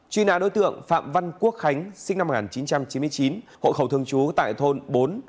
truy nã đối tượng phạm văn quốc khánh sinh năm một nghìn chín trăm chín mươi chín hộ khẩu thường trú tại thôn bốn